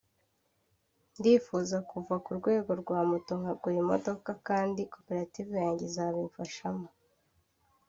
ndifuza kuva ku rwego rwa moto nkagura imodoka kandi koperative yanjye izabimfashamo